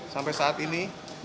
sampai saat ini